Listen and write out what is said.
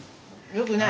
よくない。